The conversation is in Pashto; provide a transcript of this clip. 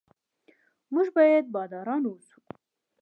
موږ باید باداران اوسو.